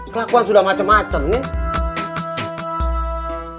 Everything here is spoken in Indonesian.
kelakuan sudah macem macem nin